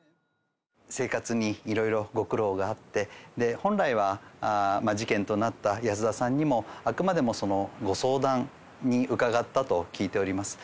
生活にいろいろご苦労があって、本来は事件となった安田さんにも、あくまでもご相談に伺ったと聞いております。